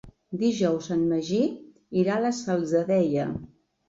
Dijous en Magí irà a la Salzadella.